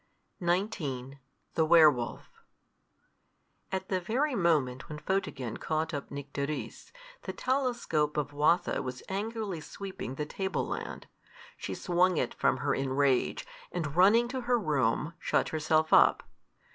XIX. THE WERE WOLF. At the very moment when Photogen caught up Nycteris, the telescope of Watho was angrily sweeping the table land. She swung it from her in rage, and running to her room, shut herself up.